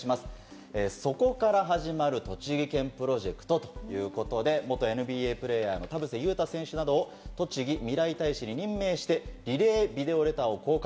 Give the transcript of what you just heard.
「４７から始まる栃木県」プロジェクトということで元ＮＢＡプレーヤーの田臥勇太選手などを「とちぎ未来大使」に任命して異例ビデオレターを公開。